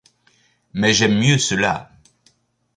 Mais j’aime mieux cela.